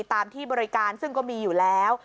ตามที่บริการซึ่งก็มีอยู่แล้ว